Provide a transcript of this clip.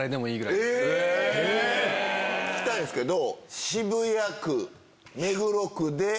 聞きたいんすけど。